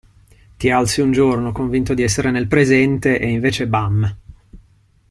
Ti alzi un giorno convinto di essere nel presente e invece bam!